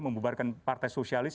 membubarkan partai sosialis